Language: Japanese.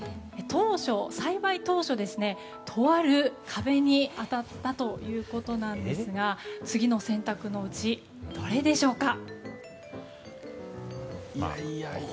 栽培当初、とある壁に当たったということですが次の選択のうちどれでしょうか？